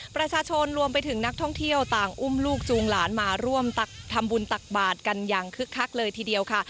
ประชาชนรวมไปถึงนักท่องเที่ยวต่างอุ้มลูกจูงหลานมาร่วมทำบุญตักบาทกันอย่างคึกคักเลยทีเดียวค่ะ